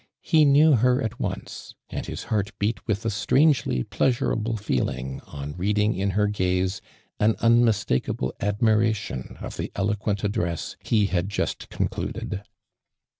he knew her at once, and his heart beat with a strangely pleasurable feeling on reatling in her gaze. an immistakable admiration of the elo (luent address he had just concluded.